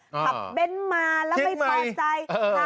ขับเบนซ์มาแล้วไม่พอใจ